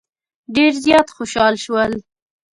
ډېر زیات خوشال شول.